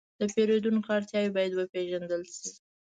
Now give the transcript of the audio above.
د پیرودونکو اړتیاوې باید وپېژندل شي.